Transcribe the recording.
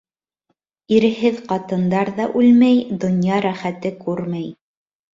Ирһеҙ ҡатындар ҙа үлмәй, донъя рәхәте күрмәй.